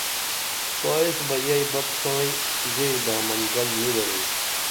کائس بہ ییی بپ سائیں ژے دامن گل نی درو